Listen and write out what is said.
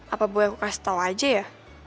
apa boy yang kasih tau aja ya